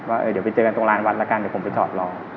ว่าเดี๋ยวไปเจอกันตรงร้านวัดแล้วกันเดี๋ยวผมไปจอดรอ